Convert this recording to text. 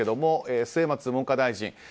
末松文科大臣。